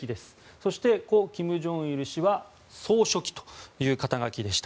そして、故・金正日氏が総書記という形でした。